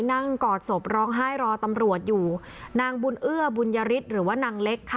กอดศพร้องไห้รอตำรวจอยู่นางบุญเอื้อบุญยฤทธิ์หรือว่านางเล็กค่ะ